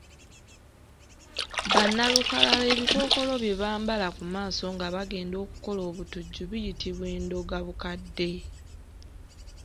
Ba nnalukalala ebikookolo bye bambala ku maaso nga bagenda okukola obutujju biyitibwa Endogabukadde.